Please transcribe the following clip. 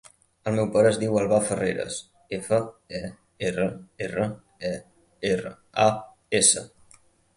El meu pare es diu Albà Ferreras: efa, e, erra, erra, e, erra, a, essa.